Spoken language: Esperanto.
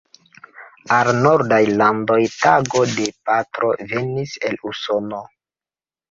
Al Nordaj landoj tago de patro venis el Usono.